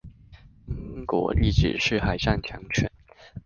英國一直是海上強權